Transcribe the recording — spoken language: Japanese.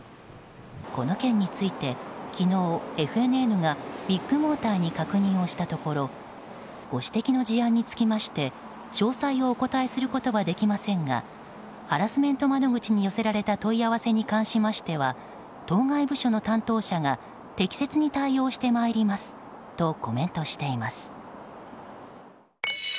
この件について昨日、ＦＮＮがビッグモーターに確認をしたところご指摘の事案につきまして詳細をお答えすることはできませんがハラスメント窓口に寄せられた問い合わせに関しましては当該部署の担当者が適切に対応してまいりますとコメントしています。